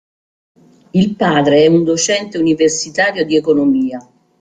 Il padre è un docente universitario di economia.